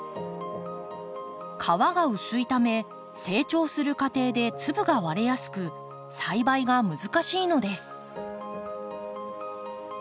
皮が薄いため成長する過程で粒が割れやすく栽培が難しいのです。